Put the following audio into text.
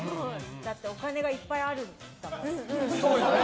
だって、お金がいっぱいあるから。